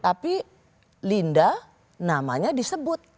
tapi linda namanya disebut